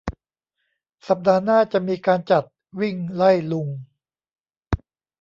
สัปดาห์หน้าจะมีการจัด วิ่งไล่ลุง